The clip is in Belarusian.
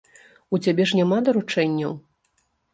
У цябе ж няма даручэнняў?